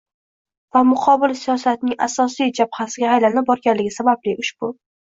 va muqobil siyosatning asosiy jabhasiga aylana borganligi sababli, ushbu